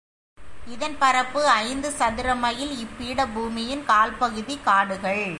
இதன் பரப்பு ஐந்து சதுரமைல், இப்பீடபூமியின் கால்பகுதி காடுகள்.